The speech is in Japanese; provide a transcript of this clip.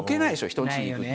人んちに行くって。